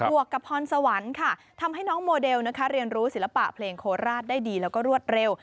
วกกับพรสวรรค์ค่ะทำให้น้องโมเดลเรียนรู้ศิลปะเพลงโคราชได้ดีแล้วก็รวดเร็ว